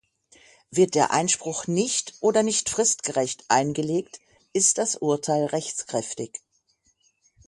Wird der Einspruch nicht oder nicht fristgerecht eingelegt, ist das Urteil rechtskräftig.